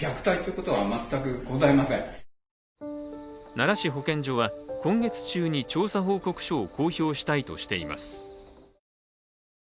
奈良市保健所は今月中に調査報告書を公表したいとしています。